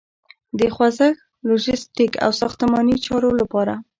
د خوځښت، لوژستیک او ساختماني چارو لپاره